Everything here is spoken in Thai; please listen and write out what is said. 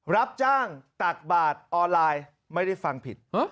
รับจ้างตักบาทออนไลน์ไม่ได้ฟังผิด